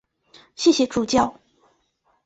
谢谢助教